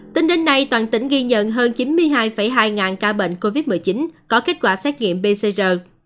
tính đến nay toàn tỉnh ghi nhận hơn chín mươi hai hai ca bệnh covid một mươi chín có kết quả xét nghiệm pcr